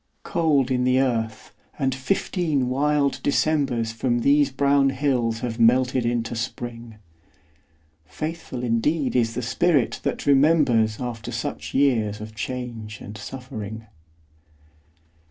Cold in the earth, and fifteen wild Decembers From these brown hills have melted into Spring. Faithful indeed is the spirit that remembers After such years of change and suffering!